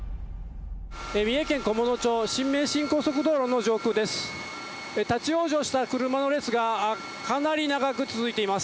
三重県こもの町新名神高速道路の上空です。